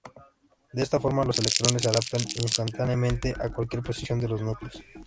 De esta forma, los electrones se adaptan 'instantáneamente' a cualquier posición de los núcleos.